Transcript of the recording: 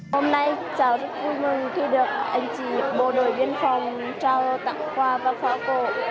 hôm nay cháu rất vui mừng khi được anh chị bộ đội biên phòng trao tặng quà và pháo cổ